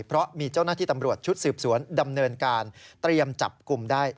เพราะมีเจ้าหน้าที่ตำรวจชุดสืบสวนดำเนินการเตรียมจับกลุ่มได้